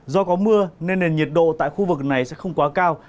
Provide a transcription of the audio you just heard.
do có mưa nên nền nhiệt độ tại khu vực này sẽ không quá cao